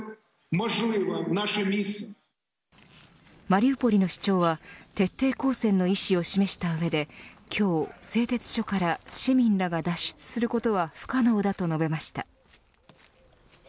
マリウポリの市長は徹底抗戦の意思を示した上で今日、製鉄所から市民らが脱出することは不可能だと述べました。